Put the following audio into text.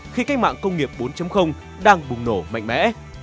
khi cách mạng công nghiệp bốn đang bùng nổ mạnh mẽ